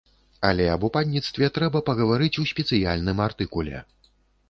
Але аб упадніцтве трэба пагаварыць у спецыяльным артыкуле.